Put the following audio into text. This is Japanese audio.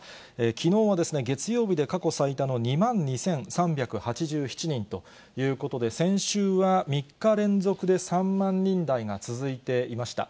きのうは月曜日で過去最多の２万２３８７人と、先週は３日連続で３万人台が続いていました。